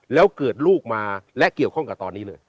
แล้วเกิดลูกมาและเกี่ยวข้องกับตอนนี้เลย